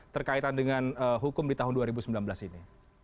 terkaitan dengan hukum di tahun dua ribu sembilan belas ini